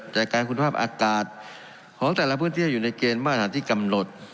แต่การคุณภาพอากาศของแต่ละพื้นที่อยู่ในเกณฑ์มาตรฐานที่กำหนด